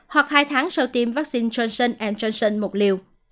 hoặc hai tháng sau tiêm vaccine johnson johnson một liều